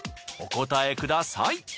お答えください。